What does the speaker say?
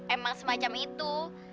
emang semacam itu